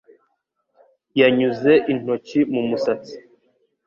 Yanyuze intoki mu musatsi.